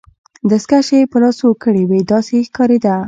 دستکشې يې په لاسو کړي وې، داسې یې ښکاریده.